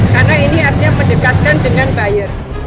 karena ini artinya mendekatkan dengan buyer